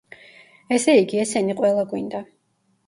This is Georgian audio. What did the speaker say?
ესე იგი, ესენი ყველა გვინდა.